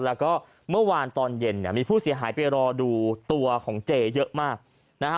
แล้วก็เมื่อวานตอนเย็นเนี่ยมีผู้เสียหายไปรอดูตัวของเจเยอะมากนะฮะ